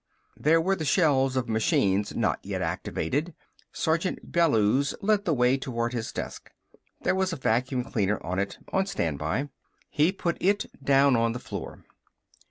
There were the shelves of machines not yet activated. Sergeant Bellews led the way toward his desk. There was a vacuum cleaner on it, on standby. He put it down on the floor.